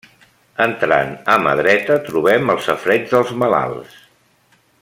Entrant a mà dreta trobem el safareig dels malalts.